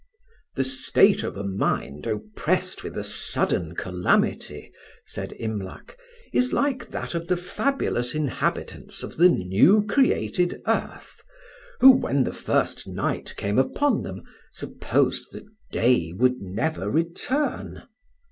"The state of a mind oppressed with a sudden calamity," said Imlac, "is like that of the fabulous inhabitants of the new created earth, who, when the first night came upon them, supposed that day would never return.